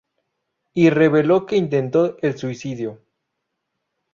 Y reveló que intentó el suicidio.